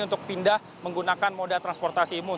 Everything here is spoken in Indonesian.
untuk pindah menggunakan moda transportasi umum